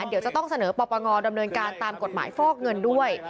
เดี๋ยวจะต้องเสนอปปงดำเนินการตามกฎหมายฟอกเงินด้วย